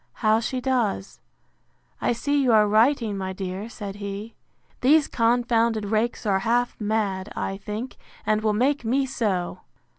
how she does? I see you are writing, my dear, said he. These confounded rakes are half mad, I think, and will make me so!